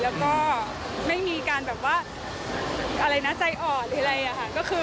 แล้วก็ไม่มีการแบบว่าอะไรนะใจอ่อนหรืออะไรอะค่ะ